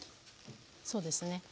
そうですね